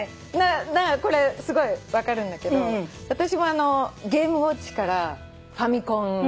これすごい分かるんだけど私もゲームウオッチからファミコン。